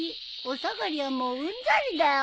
お下がりはもううんざりだよ。